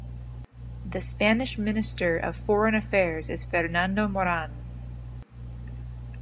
The Spanish Minister of Foreign Affairs is Fernando Morán.